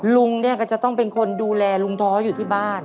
ลุงเนี่ยก็จะต้องเป็นคนดูแลลุงท้ออยู่ที่บ้าน